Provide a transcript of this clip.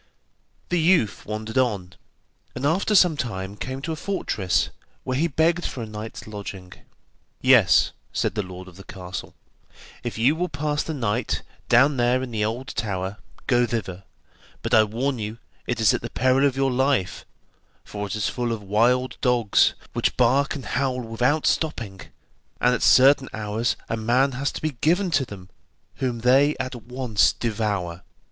The youth wandered on, and after some time came to a fortress where he begged for a night's lodging. 'Yes,' said the lord of the castle, 'if you will pass the night down there in the old tower, go thither; but I warn you, it is at the peril of your life, for it is full of wild dogs, which bark and howl without stopping, and at certain hours a man has to be given to them, whom they at once devour.